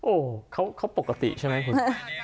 โอ้โหเขาปกติใช่ไหมคุณ